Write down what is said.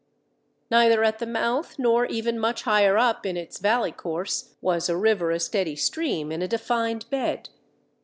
Neither at the mouth nor even much higher up in its valley course, was a river a steady stream in a defined bed.